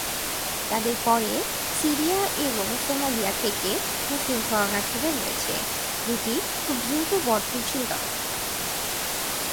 তাদের পরে সিরিয়া এবং সোমালিয়া থেকে মুসলিম শরণার্থীরা রয়েছে, দুটি খুব দ্রুত বর্ধনশীল দল।